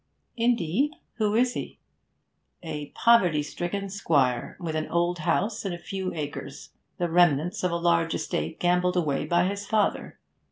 'Indeed? Who is he?' 'A poverty stricken squire, with an old house and a few acres the remnants of a large estate gambled away by his father.